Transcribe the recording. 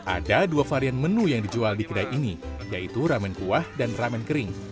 ada dua varian menu yang dijual di kedai ini yaitu ramen kuah dan ramen kering